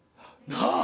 なあ！